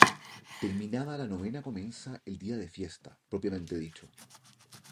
Terminada la novena comienza el día de fiesta, propiamente dicho.